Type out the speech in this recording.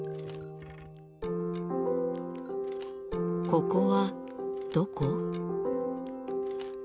ここはどこ？